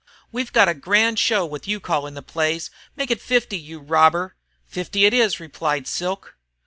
We've got a grand show with you calling the plays. Make it fifty, you robber!" "Fifty it is!" replied Silk.